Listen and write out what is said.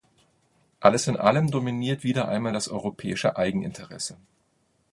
Alles in allem dominiert wieder einmal das europäische Eigeninteresse.